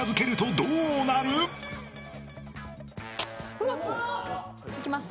うわっ！いきます。